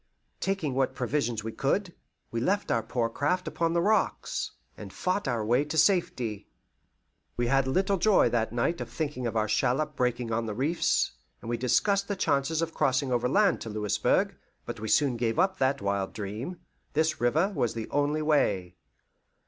Taking what provisions we could, we left our poor craft upon the rocks, and fought our way to safety. We had little joy that night in thinking of our shallop breaking on the reefs, and we discussed the chances of crossing overland to Louisburg; but we soon gave up that wild dream: this river was the only way.